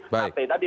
di at tadi